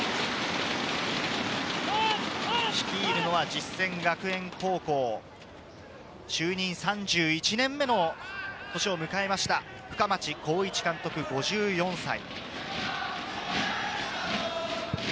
率いるのは実践学園高校、就任３１年目の年を迎えました、深町公一監督、５４歳。